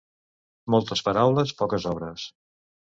Moltes paraules, poques obres.